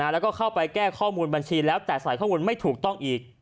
แล้วก็เข้าไปแก้ข้อมูลบัญชีแล้วแต่ใส่ข้อมูลไม่ถูกต้องอีก